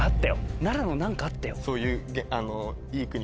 そういう。